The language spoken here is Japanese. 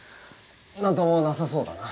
なんともなさそうだな。